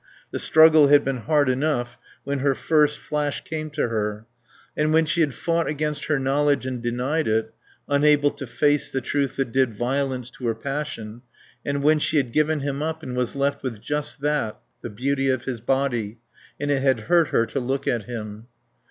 The struggle had been hard enough when her first flash came to her; and when she had fought against her knowledge and denied it, unable to face the truth that did violence to her passion; and when she had given him up and was left with just that, the beauty of his body, and it had hurt her to look at him.